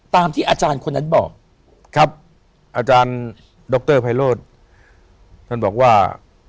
ตามที่อาจารย์คนนั้นบอกครับอาจารย์ดรไพโรธท่านบอกว่า